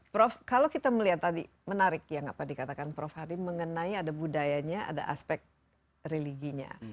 prof kalau kita melihat tadi menarik yang apa dikatakan prof hari mengenai ada budayanya ada aspek religinya